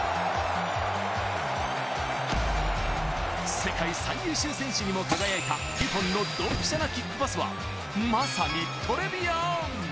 世界最優秀選手にも輝いたデュポンのドンピシャなキックパスはまさにトレビアーン。